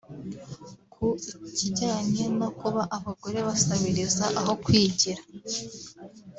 Ku kijyanye no kuba abagore basabiziriza aho kwigira